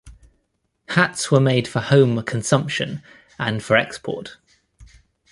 Hats were made for home consumption and for export.